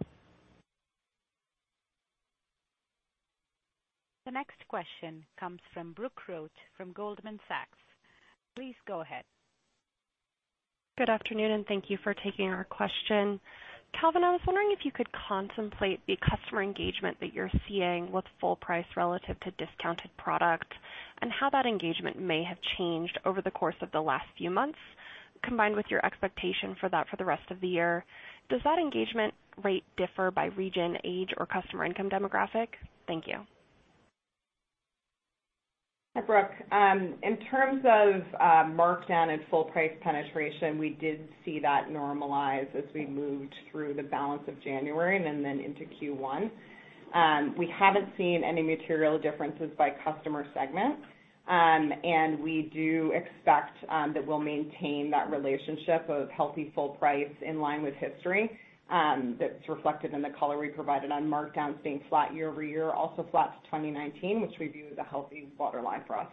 Speaker 1: The next question comes from Brooke Roach from Goldman Sachs. Please go ahead.
Speaker 13: Good afternoon. Thank you for taking our question. Calvin, I was wondering if you could contemplate the customer engagement that you're seeing with full price relative to discounted product, and how that engagement may have changed over the course of the last few months, combined with your expectation for that for the rest of the year. Does that engagement rate differ by region, age, or customer income demographic? Thank you.
Speaker 4: Hi, Brooke. In terms of markdown and full price penetration, we did see that normalize as we moved through the balance of January and then into Q1. We haven't seen any material differences by customer segment. We do expect that we'll maintain that relationship of healthy full price in line with history, that's reflected in the color we provided on markdown staying flat year-over-year, also flat to 2019, which we view as a healthy waterline for us.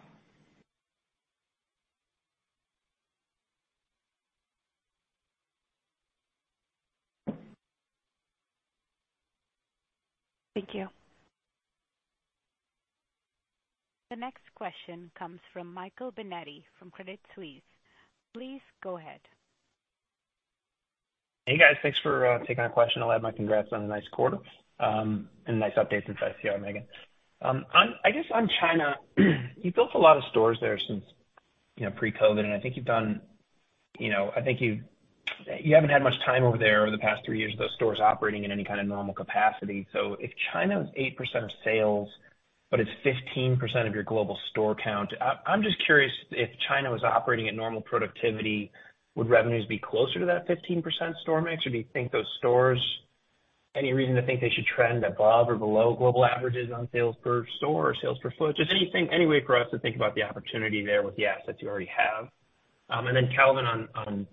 Speaker 13: Thank you.
Speaker 1: The next question comes from Michael Binetti from Credit Suisse. Please go ahead.
Speaker 14: Hey, guys. Thanks for taking my question. I'll add my congrats on a nice quarter and nice updates inside CR, Meghan. I guess on China, you've built a lot of stores there since, you know, pre-COVID, and I think you've done, you know, you haven't had much time over there over the past three years with those stores operating in any kind of normal capacity. If China is 8% of sales, but it's 15% of your global store count, I'm just curious if China was operating at normal productivity, would revenues be closer to that 15% store mix, or do you think those stores any reason to think they should trend above or below global averages on sales per store or sales per foot? Just anything, any way for us to think about the opportunity there with the assets you already have. Then Calvin on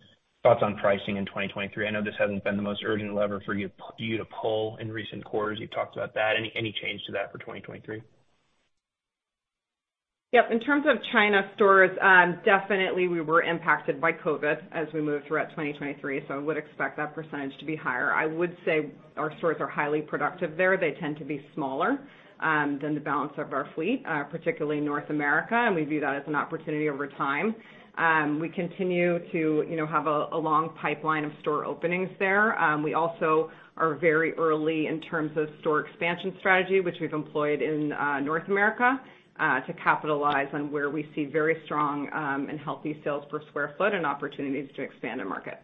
Speaker 14: thoughts on pricing in 2023. I know this hasn't been the most urgent lever for you to pull in recent quarters. You've talked about that. Any change to that for 2023?
Speaker 4: Yep. In terms of China stores, definitely we were impacted by COVID as we moved throughout 2023, so I would expect that % to be higher. I would say our stores are highly productive there. They tend to be smaller than the balance of our fleet, particularly in North America, and we view that as an opportunity over time. We continue to, you know, have a long pipeline of store openings there. We also are very early in terms of store expansion strategy, which we've employed in North America, to capitalize on where we see very strong and healthy sales per square foot and opportunities to expand and market.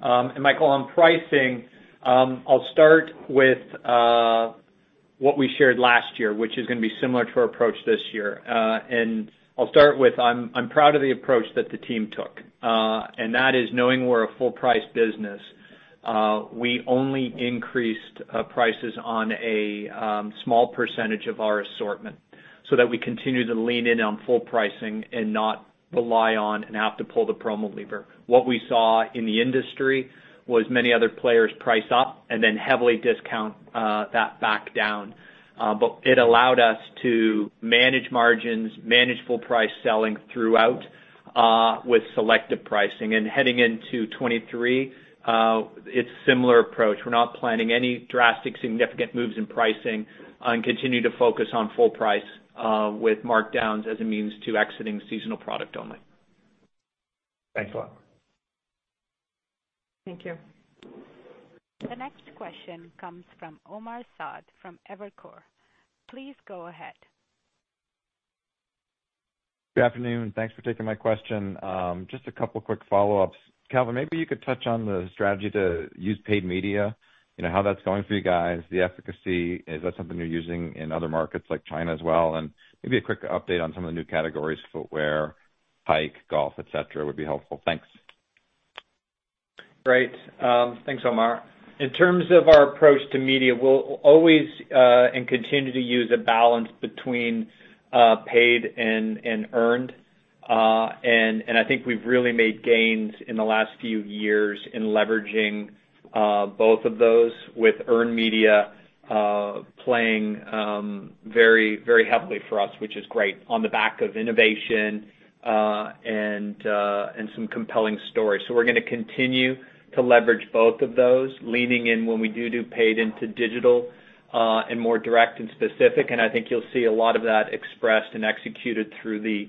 Speaker 3: Michael, on pricing, I'll start with what we shared last year, which is gonna be similar to our approach this year. I'll start with, I'm proud of the approach that the team took, and that is knowing we're a full price business. We only increased prices on a small percentage of our assortment so that we continue to lean in on full pricing and not rely on and have to pull the promo lever. What we saw in the industry was many other players price up and then heavily discount that back down. It allowed us to manage margins, manage full price selling throughout with selective pricing. Heading into 23, it's similar approach. We're not planning any drastic significant moves in pricing and continue to focus on full price, with markdowns as a means to exiting seasonal product only.
Speaker 14: Thanks a lot.
Speaker 4: Thank you.
Speaker 1: The next question comes from Omar Saad from Evercore. Please go ahead.
Speaker 15: Good afternoon. Thanks for taking my question. Just a couple quick follow-ups. Calvin, maybe you could touch on the strategy to use paid media, you know, how that's going for you guys, the efficacy. Is that something you're using in other markets like China as well? Maybe a quick update on some of the new categories, footwear, hike, golf, et cetera, would be helpful. Thanks.
Speaker 3: Great. thanks, Omar. In terms of our approach to media, we'll always and continue to use a balance between paid and earned. I think we've really made gains in the last few years in leveraging both of those with earned media playing very, very heavily for us, which is great on the back of innovation and some compelling stories. We're gonna continue to leverage both of those, leaning in when we do paid into digital and more direct and specific. I think you'll see a lot of that expressed and executed through the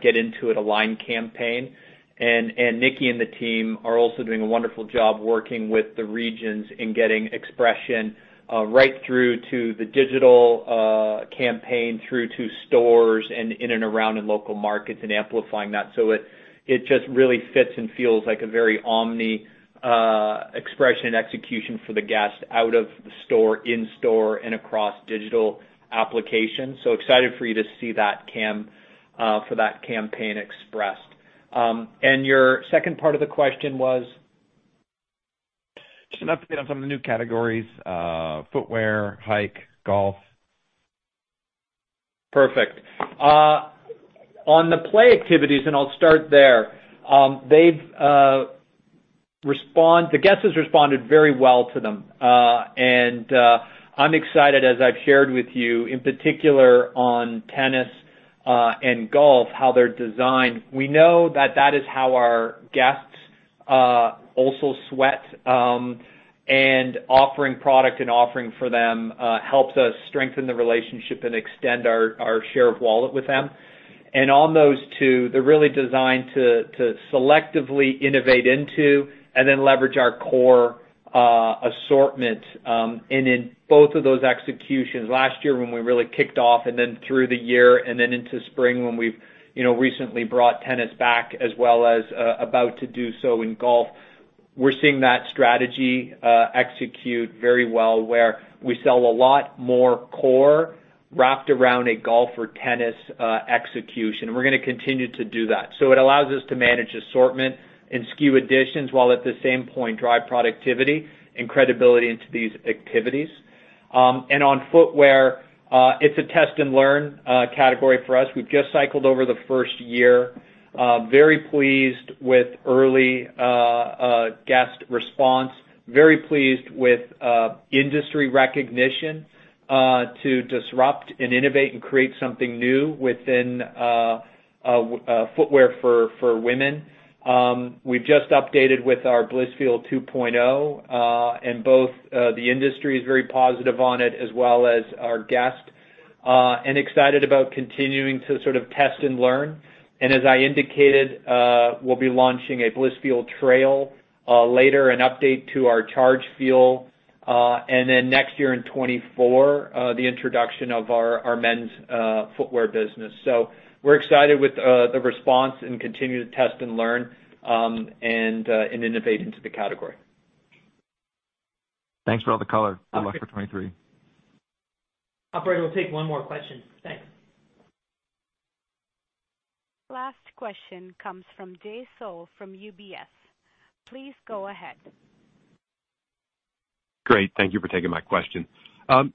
Speaker 3: Get Into It Align campaign. Nikki and the team are also doing a wonderful job working with the regions in getting expression right through to the digital campaign, through to stores and in and around in local markets and amplifying that. It just really fits and feels like a very omni expression and execution for the guest out of the store, in-store, and across digital applications. Excited for you to see that for that campaign expressed. Your second part of the question was?
Speaker 15: Just an update on some of the new categories, footwear, hike, golf.
Speaker 3: Perfect. On the play activities, I'll start there, the guests have responded very well to them. I'm excited, as I've shared with you, in particular on tennis, and golf, how they're designed. We know that that is how our guests also sweat, and offering product and offering for them, helps us strengthen the relationship and extend our share of wallet with them. On those two, they're really designed to selectively innovate into and then leverage our core assortment, and in both of those executions. Last year when we really kicked off and then through the year and then into spring when we've, you know, recently brought tennis back, as well as, about to do so in golf, we're seeing that strategy execute very well, where we sell a lot more core wrapped around a golf or tennis execution. We're gonna continue to do that. It allows us to manage assortment and SKU additions, while at the same point, drive productivity and credibility into these activities. On footwear, it's a test and learn category for us. We've just cycled over the first year. Very pleased with early guest response. Very pleased with industry recognition to disrupt and innovate and create something new within footwear for women. We've just updated with our Blissfeel 2.0, and both, the industry is very positive on it as well as our guests, and excited about continuing to sort of test and learn. As I indicated, we'll be launching a Blissfeel Trail later, an update to our Chargefeel, and then next year in 2024, the introduction of our men's footwear business. We're excited with the response and continue to test and learn and innovate into the category.
Speaker 15: Thanks for all the color. Good luck for 2023.
Speaker 3: Operator, we'll take one more question. Thanks.
Speaker 1: Last question comes from Jay Sole from UBS. Please go ahead.
Speaker 16: Great. Thank you for taking my question.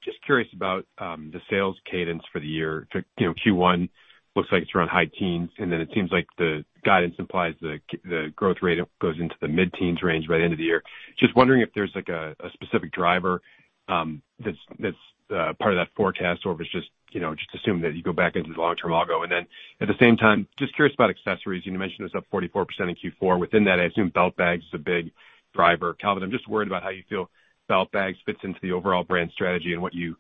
Speaker 16: Just curious about the sales cadence for the year. You know, Q1 looks like it's around high teens, and then it seems like the guidance implies the growth rate goes into the mid-teens range by the end of the year. Just wondering if there's, like, a specific driver that's part of that forecast or if it's just, you know, just assume that you go back into the long-term logo. At the same time, just curious about accessories. You mentioned it was up 44% in Q4. Within that, I assume belt bags is a big driver. Calvin, I'm just worried about how you feel belt bags fits into the overall brand strategy and what you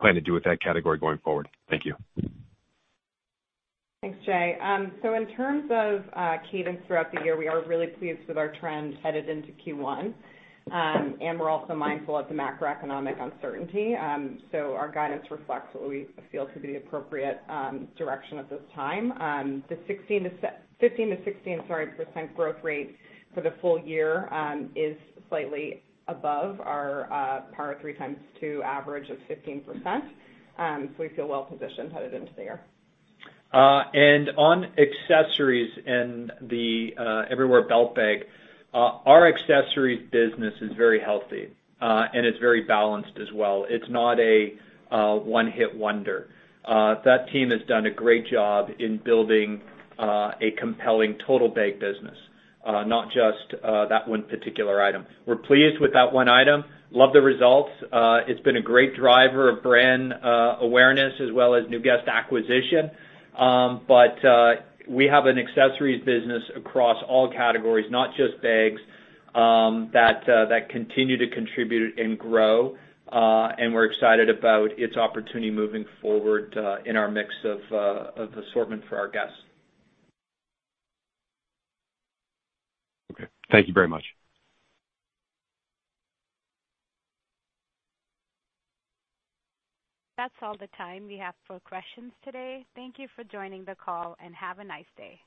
Speaker 16: plan to do with that category going forward. Thank you.
Speaker 4: Thanks, Jay. In terms of cadence throughout the year, we are really pleased with our trend headed into Q1. We're also mindful of the macroeconomic uncertainty. Our guidance reflects what we feel to be the appropriate direction at this time. The 15%-16%, sorry, growth rate for the full year, is slightly above our Power of Three ×2 average of 15%. We feel well positioned headed into the year.
Speaker 3: On accessories and the Everywhere Belt Bag, our accessories business is very healthy, and it's very balanced as well. It's not a one-hit wonder. That team has done a great job in building a compelling total bag business, not just that one particular item. We're pleased with that one item. Love the results. It's been a great driver of brand awareness as well as new guest acquisition. We have an accessories business across all categories, not just bags, that continue to contribute and grow, and we're excited about its opportunity moving forward, in our mix of assortment for our guests.
Speaker 16: Okay, thank you very much.
Speaker 1: That's all the time we have for questions today. Thank you for joining the call. Have a nice day.